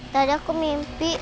tadi aku mimpi